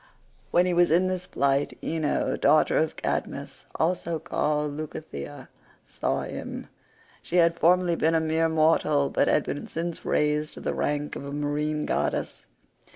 When he was in this plight, Ino daughter of Cadmus, also called Leucothea, saw him. She had formerly been a mere mortal, but had been since raised to the rank of a marine goddess.